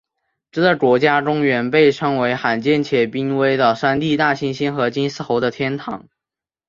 这个国家公园被称为罕见且濒危的山地大猩猩和金丝猴的天堂。